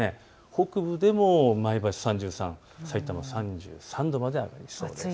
北部でも前橋３３度、さいたま３３度まで上がりそうです。